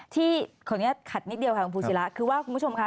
ที่คนนี้ขาดนิดเดียวคคลุกภูศีแล้วคุณผู้ชมค่ะ